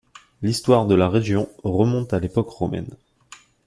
L'histoire de la région remonte à l'époque romaine.